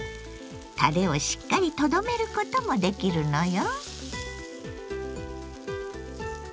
たれをしっかりとどめることもできるのよ。